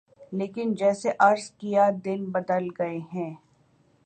لیکن جیسے عرض کیا دن بدل گئے ہیں۔